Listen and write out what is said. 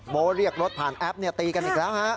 โบเรียกรถผ่านแอปตีกันอีกแล้วฮะ